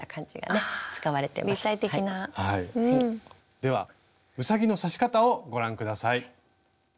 ではうさぎの刺し方をご覧下さい。